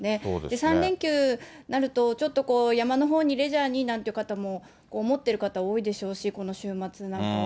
３連休になると、ちょっと山のほうにレジャーになんていうふうに思ってる方多いでしょうし、この週末なんかは。